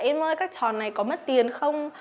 em ơi các trò này có mất tiền không